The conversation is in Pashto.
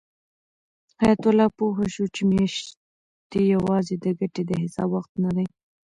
حیات الله پوه شو چې میاشتې یوازې د ګټې د حساب وخت نه دی.